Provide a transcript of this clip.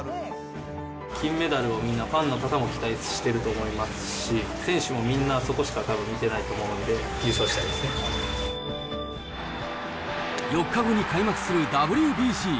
金メダルをみんな、ファンの方も期待してると思いますし、選手もみんな、そこしかたぶん見てないと思うんで、優勝したいで４日後に開幕するＷＢＣ。